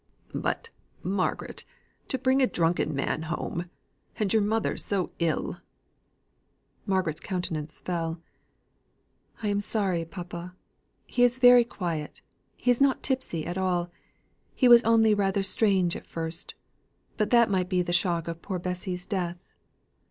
"But, Margaret, to bring a drunken man home and your mother so ill!" Margaret's countenance fell. "I am sorry, papa. He is very quiet he is not tipsy at all. He was only rather strange at first, but that might be the shock of poor Bessy's death."